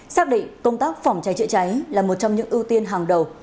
xác định công tác phòng cháy chữa cháy là một trong những ưu tiên hàng đầu